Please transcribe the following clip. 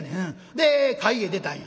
で会へ出たんや」。